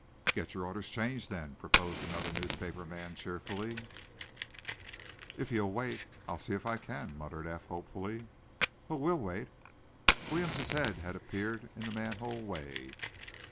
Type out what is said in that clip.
"Get your orders changed, then," proposed another newspaper man, cheerfully. "If you'll wait, I'll see if I can," muttered Eph, hopefully. "Oh, we'll wait." Williamson's head had appeared in the manhole way.